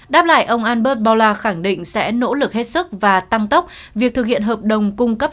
đáp lại ông albert borrell khẳng định sẽ nỗ lực hết sức và tăng tốc việc thực hiện hợp đồng cung cấp